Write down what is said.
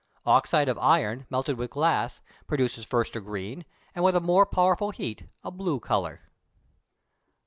Oxyde of iron, melted with glass, produces first a green, and with a more powerful heat, a blue colour.